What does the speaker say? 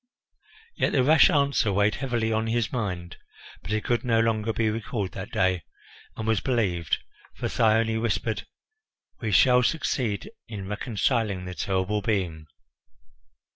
Yet the rash answer weighed heavily on his mind; but it could no longer be recalled that day, and was believed, for Thyone whispered, "We shall succeed in reconciling the terrible being."